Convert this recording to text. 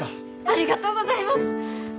ありがとうございます！